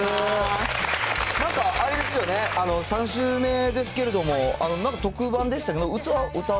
なんかあれですよね、３週目ですけれども、なんか特番でしたっけ？